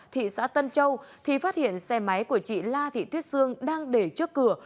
thị xã tân châu thì phát hiện xe máy của chị la thị thuyết sương đang để trước cửa